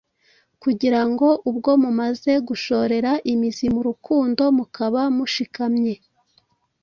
kugira ngo ubwo mumaze gushorera imizi mu rukundo mukaba mushikamye,